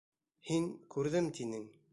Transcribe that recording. Һин, күрҙем, тинең.